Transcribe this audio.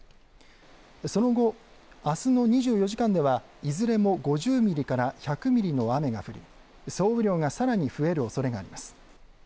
その後、あすの２４時間ではいずれも５０ミリから１００ミリの雨が降り、総雨量がさらに増えるおそれがあります。